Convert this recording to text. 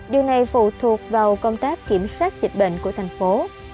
điều này phụ thuộc vào công tác kiểm soát dịch bệnh của thành phố